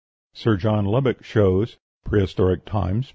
Sir John Lubbock shows ("Prehistoric Times," p.